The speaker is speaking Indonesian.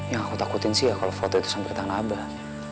yang aku takutin sih ya kalau foto itu sampe ke tangan abah